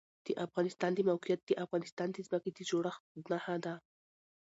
د افغانستان د موقعیت د افغانستان د ځمکې د جوړښت نښه ده.